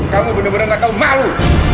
kamu benar benar enggak tahu malu